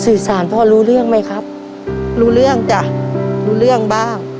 สื่อสารพ่อรู้เรื่องไหมครับรู้เรื่องจ้ะรู้เรื่องบ้าง